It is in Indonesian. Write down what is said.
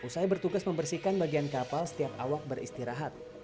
usai bertugas membersihkan bagian kapal setiap awak beristirahat